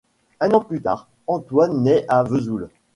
Un an plus tard Antoine naît à Vesoul.